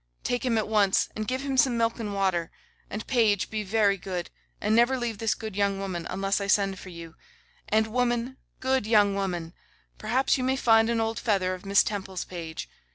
Take him at once, and give him some milk and water; and, page, be very good, and never leave this good young woman, unless I send for you. And, woman, good young woman, perhaps you may find an old feather of Miss Temple's page.